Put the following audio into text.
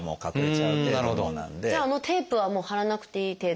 じゃああのテープはもう貼らなくていい程度？